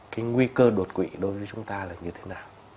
cái nguy cơ đột quỵ đối với chúng ta là như thế nào